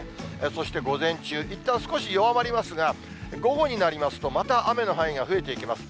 そして午前中、いったん少し弱まりますが、午後になりますと、また雨の範囲が増えていきます。